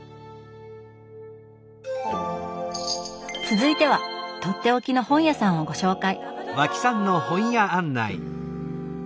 続いてはとっておきの本屋さんをご紹介。